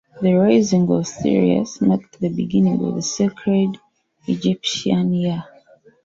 The rising of Sirius marked the beginning of the sacred Egyptian year.